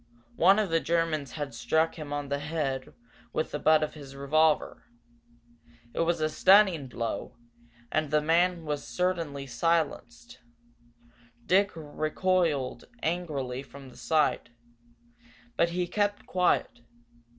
One of the Germans had struck him on the head with the butt of his revolver. It was a stunning blow, and the man was certainly silenced. Dick recoiled angrily from the sight, but he kept quiet.